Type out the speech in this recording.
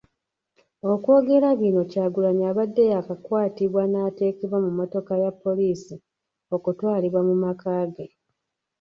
Okwogera bino Kyagulanyi abadde yaakakwatibwa n'ateekebwa mu mmotoka ya poliisi okutwalibwa mumaka ge.